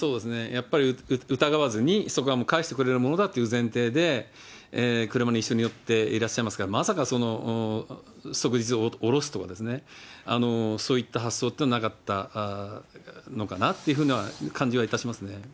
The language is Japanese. やっぱり、疑わずに、そこは返してくれるものだという前提で車に一緒に乗っていらっしゃいますから、まさか、即日おろすとは、そういった発想というのはなかったのかなというふうには感じはいたしますね。